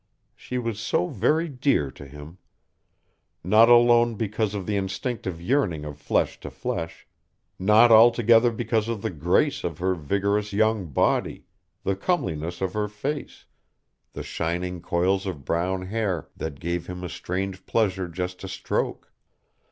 She was so very dear to him. Not alone because of the instinctive yearning of flesh to flesh, not altogether because of the grace of her vigorous young body, the comeliness of her face, the shining coils of brown hair that gave him a strange pleasure just to stroke.